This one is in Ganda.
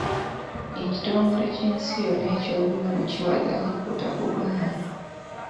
Ekitongere ky'ensi yonna eky'ebyobulamu kiwadde alipoota ku baana.